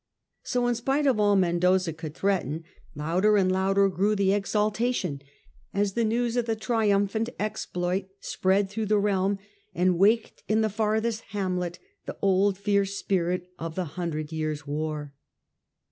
So, in spite of all Mendoza could threaten, louder and louder grew the exultation as the news of the triumphant exploit spread through the realm and waked in the farthest hamlet the old fierce spirit of the Hundred Years' War.